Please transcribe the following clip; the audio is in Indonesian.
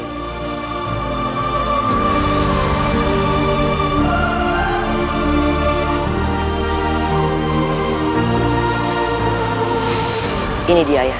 ini dia ayah